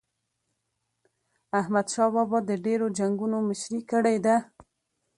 احمد شاه بابا د ډیرو جنګونو مشري کړې ده.